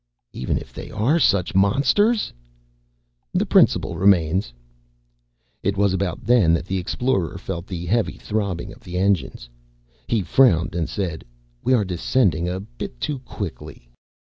"Even if they are such monsters?" "The principle remains." It was about then that the Explorer felt the heavy throbbing of the engines. He frowned and said, "We are descending a bit too quickly."